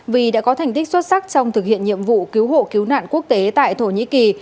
vì đã có thành tích xuất sắc trong thực hiện nhiệm vụ cứu hộ cứu nạn quốc tế tại thổ nhĩ kỳ